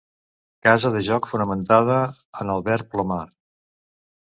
Casa de joc fonamentada en el verb plomar.